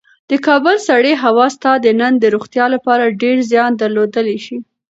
د کابل سړې هوا ستا د تن د روغتیا لپاره ډېر زیان درلودلی شي.